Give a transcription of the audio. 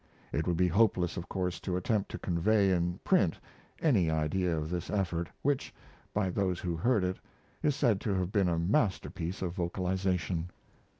It would be hopeless, of course, to attempt to convey in print any idea of this effort, which, by those who heard it, is said to have been a masterpiece of vocalization.